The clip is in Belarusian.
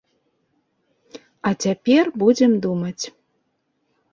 А цяпер будзем думаць.